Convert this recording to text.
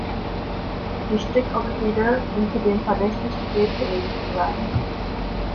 Die Stickoxide sind zudem verdächtig, krebserregend zu sein.